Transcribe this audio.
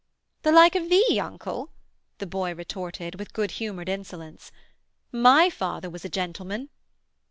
'The like of thee, uncle?' the boy retorted, with a good humoured insolence. 'My father was a gentleman.'